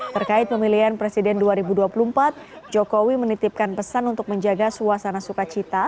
terkait pemilihan presiden dua ribu dua puluh empat jokowi menitipkan pesan untuk menjaga suasana sukacita